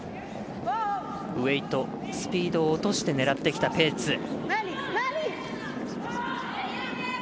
ウエイトスピードを落として狙ってきたペーツ。